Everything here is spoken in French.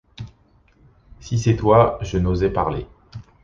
Si c’est toi, je n’osais parler